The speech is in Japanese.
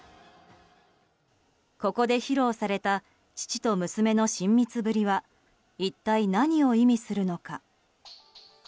ここで披露された父と娘の親密ぶりは一体何を意味するのか。